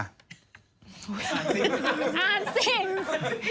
อ่านสิ